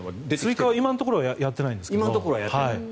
追加は今のところはやってないんですが。